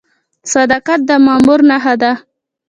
صداقت د مامور نښه ده؟